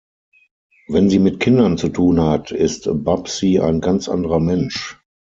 Wenn sie mit Kindern zu tun hat, ist Babsi ein ganz anderer Mensch.